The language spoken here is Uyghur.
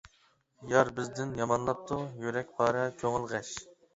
يار بىزدىن يامانلاپتۇ، يۈرەك پارە، كۆڭۈل غەش.